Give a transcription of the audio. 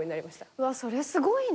うわっそれすごいね。